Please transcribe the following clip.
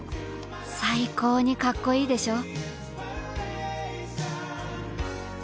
最高にカッコいいでしょ？